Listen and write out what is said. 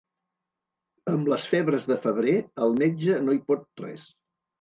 Amb les febres de febrer el metge no hi pot res.